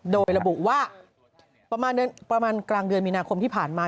โดยระบุว่าประมาณกลางเดือนมีนาคมที่ผ่านมา